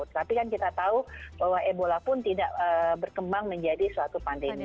tapi kan kita tahu bahwa ebola pun tidak berkembang menjadi suatu pandemi